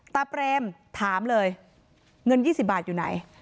เปรมถามเลยเงิน๒๐บาทอยู่ไหน